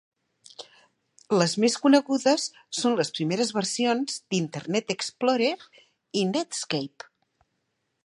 Les més conegudes són les primeres versions d'Internet Explorer i Netscape.